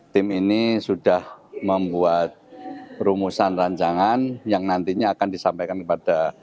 tim ini sudah membuat rumusan rancangan yang nantinya akan disampaikan kepada